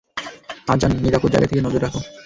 আজান, নিরাপদ জায়গা থেকে নজর রাখো।